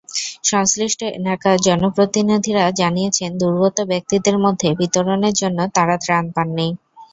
সংশ্লিষ্ট এলাকার জনপ্রতিনিধিরা জানিয়েছেন, দুর্গত ব্যক্তিদের মধ্যে বিতরণের জন্য তাঁরা ত্রাণ পাননি।